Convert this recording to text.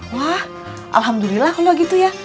wah alhamdulillah kalau gitu ya